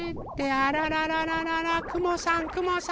あららららららくもさんくもさん！